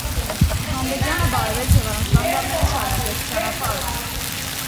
Խանբեգյանը բարևեց և առանց կանգ առնելու շարունակեց ճանապարհը: